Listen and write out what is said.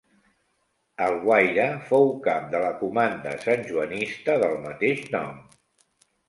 Alguaire fou cap de la comanda santjoanista del mateix nom.